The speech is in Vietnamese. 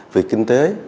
vì kinh tế